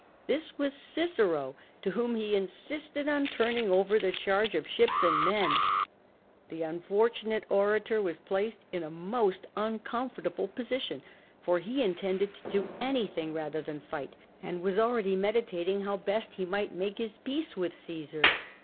This was Cicero, to whom he insisted on turning over the charge of ships and men. The unfortunate orator was placed in a most uncomfortable position, for he intended to do any thing rather than fight, and was already meditating how CATO EETIRES TO AFRICA 229 best be might make his peace with Caesar.